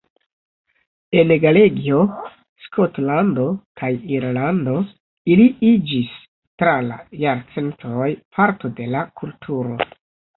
En Galegio, Skotlando kaj Irlando ili iĝis tra la jarcentoj parto de la kulturo.